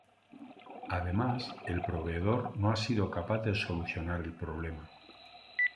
Además, el proveedor no ha sido capaz de solucionar el problema.